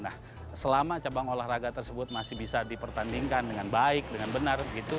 nah selama cabang olahraga tersebut masih bisa dipertandingkan dengan baik dengan benar gitu